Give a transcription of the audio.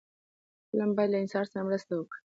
فلم باید له انسان سره مرسته وکړي